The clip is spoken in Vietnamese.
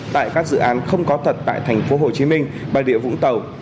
tại các dự án không có thật tại thành phố hồ chí minh và địa vũng tàu